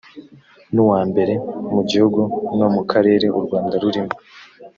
nuwambere mugihugu no mu karere u rwanda rurimo